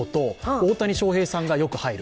大谷翔平さんがよく入る。